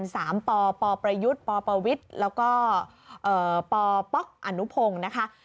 เอ๊สามปปประยุทธ์ปประวิทธิ์แล้วก็ปปอนุพงศ์นะคะ